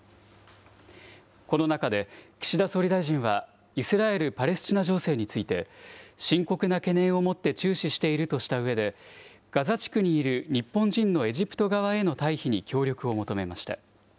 この中で、岸田総理大臣は、イスラエル・パレスチナ情勢について、深刻な懸念を持って注視しているとしたうえで、ガザ地区にいる日本人のエジプト側への退避に協力を求めました。